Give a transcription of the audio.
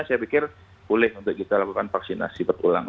saya pikir boleh untuk kita lakukan vaksinasi berulang